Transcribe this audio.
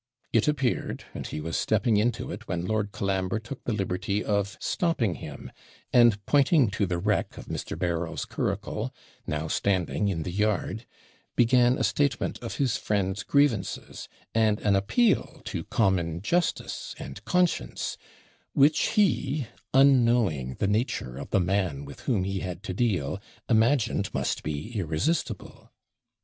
It appeared; and he was stepping into it when Lord Colambre took the liberty of stopping him; and, pointing to the wreck of Mr. Berryl's curricle, now standing in the yard, began a statement of his friend's grievances, and an appeal to common justice and conscience, which he, unknowing the nature of the man with whom he had to deal, imagined must be irresistible.